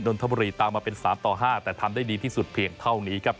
นทบุรีตามมาเป็น๓ต่อ๕แต่ทำได้ดีที่สุดเพียงเท่านี้ครับ